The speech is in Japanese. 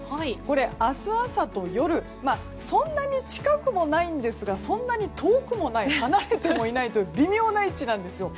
明日朝と夜そんなに近くもないんですがそんなに遠くもない離れてもいないという微妙な位置なんですよ。